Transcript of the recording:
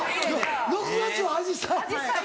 ６月はアジサイ。